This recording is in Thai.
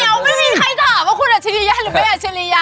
เดี๋ยวไม่มีใครถามว่าคุณอัจฉริยะหรือไม่อัจฉริยะ